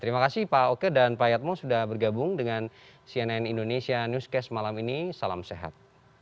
terima kasih pak oke dan pak yatmo sudah bergabung dengan cnn indonesia newscast malam ini salam sehat